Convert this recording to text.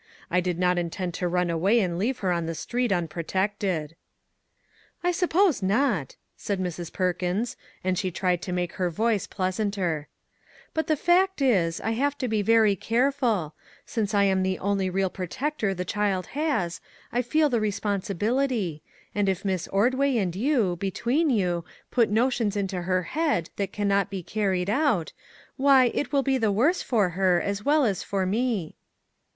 I did not in tend to run away and leave her on the street unprotected." " I suppose not," said Mrs. Perkins, and she tried to make her voice pleasanter ;" but the fact is, I have to be very careful ; since I am the only real protector the child has, I feel the responsi bility, and if Miss Qrdway and you, between you, put notions into her head that can not be 1 66 NEW IDEAS carried out, why, it will be the worse for her, as well as for me."